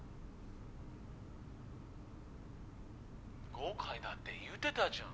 誤解だって言ってたじゃん。